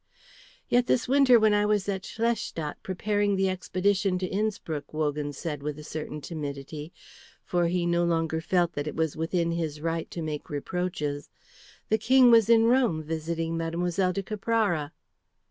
"Yet this winter when I was at Schlestadt preparing the expedition to Innspruck," Wogan said with a certain timidity, for he no longer felt that it was within his right to make reproaches, "the King was in Rome visiting Mlle. de Caprara."